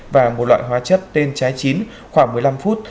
và một loại hóa chất tên trái chín khoảng một mươi năm phút